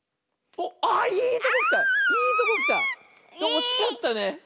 おしかったね。